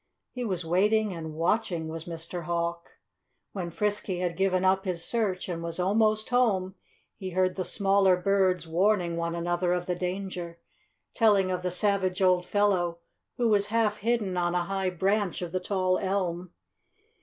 He was waiting and watching was Mr. Hawk. When Frisky had given up his search and was almost home he heard the smaller birds warning one another of the danger, telling of the savage old fellow who was half hidden on a high branch of the tall elm.